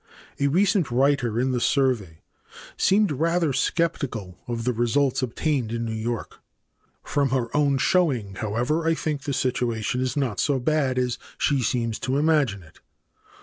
A recent writer in the "Survey" seems rather skeptical of the results obtained in New York. From her own showing, however, I think the situation is not so bad as she seems to imagine it.